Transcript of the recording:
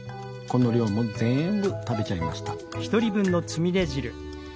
この量もぜんぶ食べちゃいました。